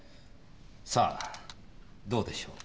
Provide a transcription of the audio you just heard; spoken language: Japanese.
さあどうでしょう。